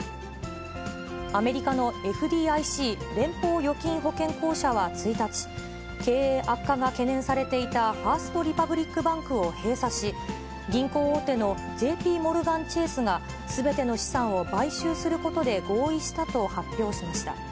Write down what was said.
アメリカのＦＤＩＣ・連邦預金保険公社は１日、経営悪化が懸念されていたファースト・リパブリック・バンクを閉鎖し、銀行大手のＪＰモルガン・チェースがすべての資産を買収することで合意したと発表しました。